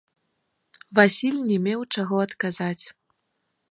Васіль не меў чаго адказаць.